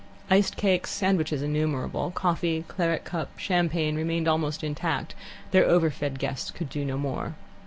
Iced cakes, sandwiches innumerable, coffee, claret cup, champagne, remained almost intact: their overfed guests could do no more.